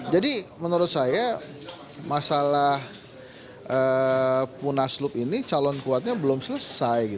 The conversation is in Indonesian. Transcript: jadi menurut saya masalah munaslup ini calon kuatnya belum selesai